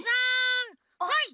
はい！